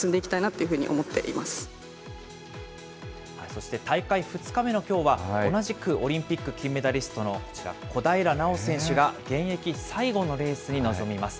そして大会２日目のきょうは、同じくオリンピック金メダリストのこちら、小平奈緒選手が、現役最後のレースに臨みます。